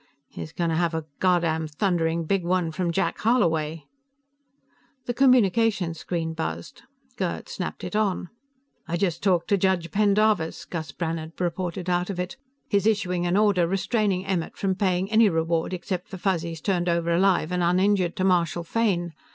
"He's going to have a goddamn thundering big one from Jack Holloway!" The communication screen buzzed; Gerd snapped it on. "I just talked to Judge Pendarvis," Gus Brannhard reported out of it. "He's issuing an order restraining Emmert from paying any reward except for Fuzzies turned over alive and uninjured to Marshal Fane.